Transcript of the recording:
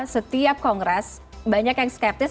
setiap kongres banyak yang skeptis